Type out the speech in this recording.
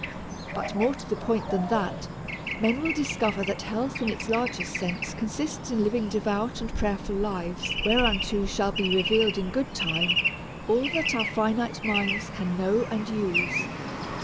But more to the point than that, men will discover that health in its largest sense consists in living devout and prayerful lives whereunto shall be revealed in good time all that our finite minds can know and use.